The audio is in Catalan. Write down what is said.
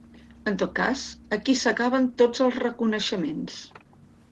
En tot cas, aquí s'acaben tots els reconeixements.